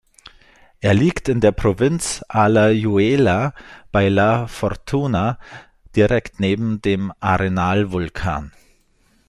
Er liegt in der Provinz Alajuela bei La Fortuna, direkt neben dem Arenal-Vulkan.